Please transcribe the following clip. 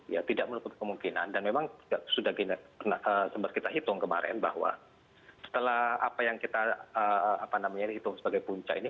ya tidak menutup kemungkinan dan memang sudah pernah kita hitung kemarin bahwa setelah apa yang kita hitung sebagai puncak ini